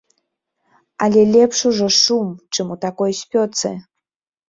Але лепш ужо шум, чым у такой спёцы.